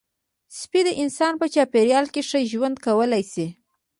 سپي د انسان په چاپېریال کې ښه ژوند کولی شي.